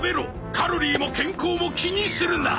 カロリーも健康も気にするな！